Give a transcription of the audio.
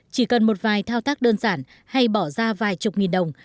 chỉ cần một vài thao tác đơn giản hay bỏ ra vài chục nghìn đồng